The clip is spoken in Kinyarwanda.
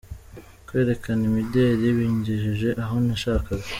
Kwerekana imideri bingejeje aho nashakaga